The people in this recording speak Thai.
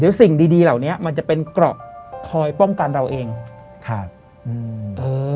เดี๋ยวสิ่งดีดีเหล่านี้มันจะเป็นกรอกคอยป้องกันเราเองครับอืม